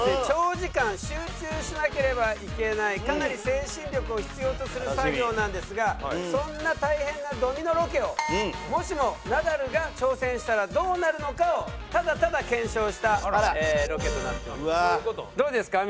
長時間集中しなければいけないかなり精神力を必要とする作業なんですがそんな大変なドミノロケをもしもナダルが挑戦したらどうなるのかをただただ検証したロケとなっております。